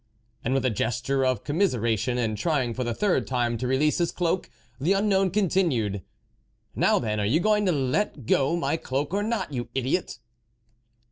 And, with a gesture of commiseration, and trying for the third time to release his cloak, the unknown continued :" Now then, are you going to let go my cloak or not, you idiot